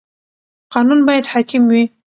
قانون باید حاکم وي.